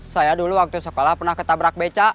saya dulu waktu sekolah pernah ketabrak beca